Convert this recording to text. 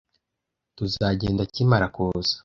Tuzagenda akimara kuza.